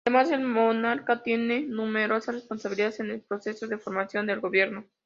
Además, el monarca tiene numerosas responsabilidades en el proceso de formación del gobierno.